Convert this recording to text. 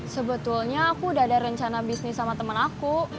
sebetulnya aku udah ada rencana bisnis sama temen aku